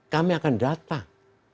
kami akan datang